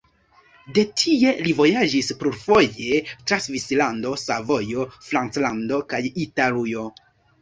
De tie li vojaĝis plurfoje tra Svislando, Savojo, Franclando kaj Italujo.